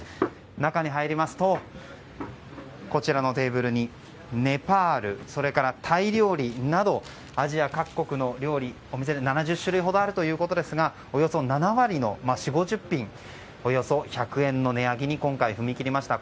中に入りますとこちらのテーブルにネパールそれからタイ料理などアジア各国の料理お店には７０種類ほどあるということですがおよそ７割、４０５０品１００円の値上げに今回踏み切りました。